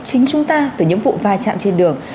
chính chúng ta từ những vụ vai trạm trên đường